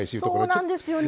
そうなんですよね